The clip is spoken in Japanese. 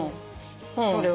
それは。